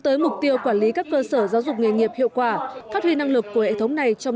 tới mục tiêu quản lý các cơ sở giáo dục nghề nghiệp hiệu quả phát huy năng lực của hệ thống này trong